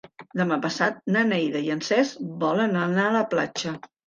Demà passat na Neida i en Cesc volen anar a la platja.